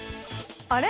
あれ？